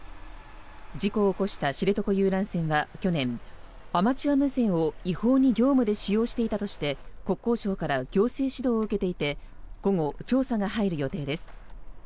事故を起こした知床遊覧船は去年アマチュア無線を違法に業務で使用していたとして国交省から行政指導を受けていて午後、調査が入る予定です。